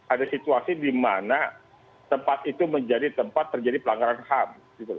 ada situasi di mana tempat itu menjadi tempat terjadi pelanggaran ham